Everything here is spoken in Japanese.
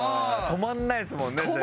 止まんないですもんね。